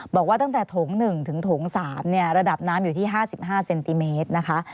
บอกว่าตั้งแต่โถง๑ถึงโถง๓ระดับน้ำอยู่ที่๕๕เซนติเมตรนะคะ